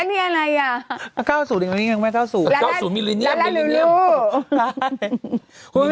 ๙๐ยังมียังไม่เท่าสูงละละลูลูลู